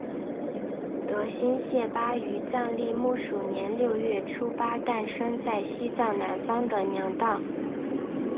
德新谢巴于藏历木鼠年六月初八诞生在西藏南方的娘当。